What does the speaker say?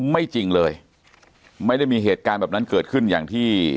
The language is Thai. ไม่จริงเลยไม่ได้มีเหตุการณ์แบบนั้นเกิดขึ้นอย่างที่